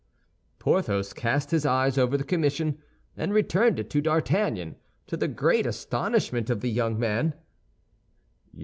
Porthos cast his eyes over the commission and returned it to D'Artagnan, to the great astonishment of the young man.